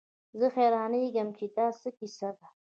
زه حيرانېږم چې دا څه کيسه ده.